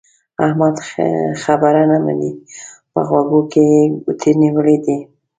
احمد خبره نه مني؛ په غوږو کې يې ګوتې نيولې دي.